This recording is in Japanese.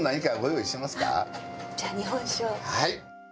はい。